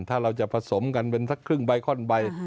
ถ้าเราจะผสมกันเป็นสักครึ่งใบข้อนใบ